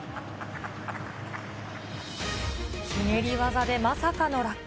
ひねり技でまさかの落下。